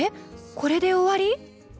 これで終わり？